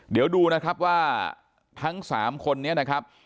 เดี๋ยวดูนะครับว่าทั้ง๓คนนี้นะครับ